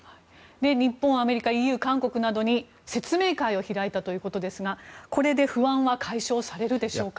日本、アメリカＥＵ、韓国などに説明会を開いたということですがこれで不安は解消されるでしょうか？